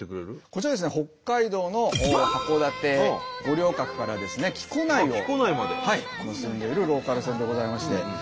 こちらですね北海道の函館五稜郭から木古内を結んでいるローカル線でございまして。